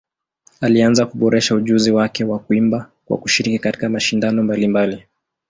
Alianza kuboresha ujuzi wake wa kuimba kwa kushiriki katika mashindano mbalimbali.